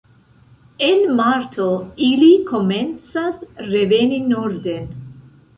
En marto ili komencas reveni norden.